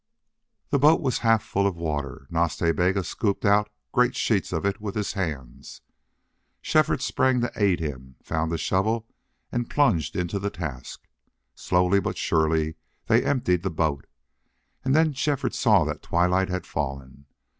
The boat was half full of water. Nas Ta Bega scooped out great sheets of it with his hands. Shefford sprang to aid him, found the shovel, and plunged into the task. Slowly but surely they emptied the boat. And then Shefford saw that twilight had fallen.